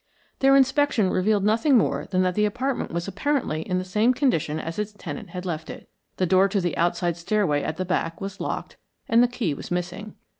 Their inspection revealed nothing more than that the apartment was apparently in the same condition as its tenant had left it. The door to the outside stairway at the back was locked and the key was missing.